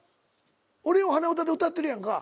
俺よう鼻歌で歌ってるやんか。